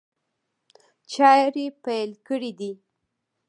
چاري پيل کړي دي.